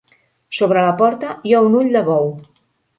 Sobre la porta hi ha un ull de bou.